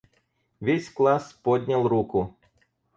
Весь класс поднял руку.